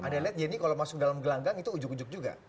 anda lihat yeni kalau masuk dalam gelanggang itu ujug ujug juga